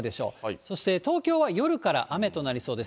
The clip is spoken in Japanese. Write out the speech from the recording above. そして東京は夜から雨となりそうです。